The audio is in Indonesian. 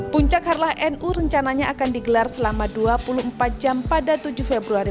puncak harlah nu rencananya akan digelar selama dua puluh empat jam pada tujuh februari